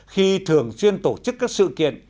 khi thường xuyên tổ chức các sự kiện